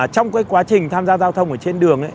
trong cái quá trình tham gia giao thông ở trên đường ấy